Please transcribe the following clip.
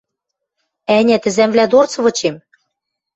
Ӓнят, ӹзӓмвлӓ дорц вычем?